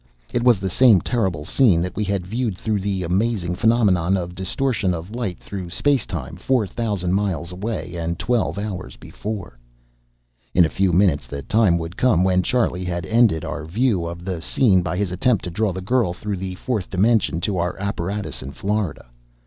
It was the same terrible scene that we had viewed, through the amazing phenomenon of distortion of light through space time, four thousand miles away and twelve hours before. In a few minutes the time would come when Charlie had ended our view of the scene by his attempt to draw the girl through the fourth dimension to our apparatus in Florida.